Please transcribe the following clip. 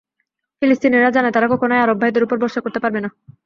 ফিলিস্তিনিরা জানে, তারা কখনোই আরব ভাইদের ওপর ভরসা করতে পারবে না।